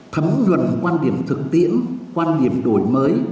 thấm luận quan điểm thực tiễn quan điểm đổi mới